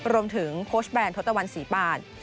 รวมถึงโค้ชแบรนด์ทศวรรณศรีปาล